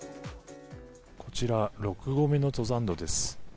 こちら６合目の登山道です。